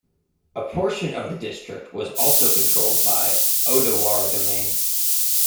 A portion of the district was also controlled by Odawara Domain.